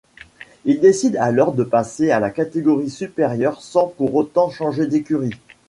Il décide alors de passer à la catégorie supérieure, sans pour autant changer d'écurie.